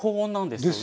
ですよね。